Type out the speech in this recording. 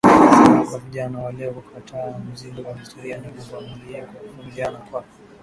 sana kwa vijana wa leo kukataa mzigo wa historia na kuvumiliana Kwa